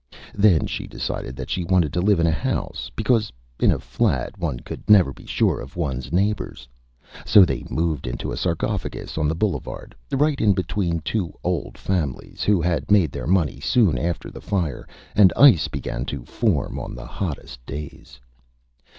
Then she decided that she wanted to live in a House, because, in a Flat, One could never be sure of One's Neighbors. So they moved into a Sarcophagus on the Boulevard, right in between two Old Families, who had made their Money soon after the Fire, and Ice began to form on the hottest Days.